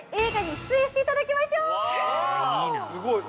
◆すごい。